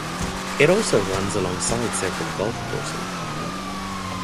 It also runs alongside several golf courses.